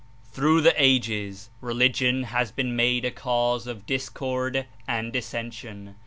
Through the ages religion has been made a cause of discord and dissension.